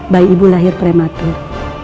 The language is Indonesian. bayi ibu lahir prematur